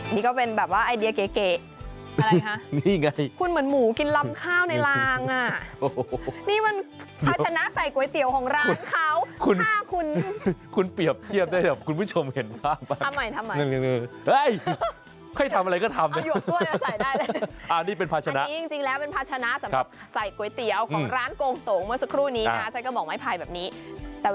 นี่ก็เป็นแบบว่าไอเดียเก๋อะไรคะนี่ไงคุณเหมือนหมูกินลำข้าวในรางอ่ะโอ้โหนี่มันพาชนะใส่ก๋วยเตี๋ยวของร้านเขาคุณคุณคุณคุณเปรียบเทียบได้แบบคุณผู้ชมเห็นภาพทำไมทำไมเฮ้ยใครทำอะไรก็ทำเนี้ยเอาหยวกตัวเนี้ยใส่ได้เลยอ่านี่เป็นพาชนะอันนี้จริงจริงแล้วเป็นพาชนะ